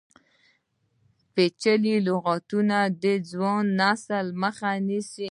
پیچلي لغتونه د ځوان نسل مخه نیسي.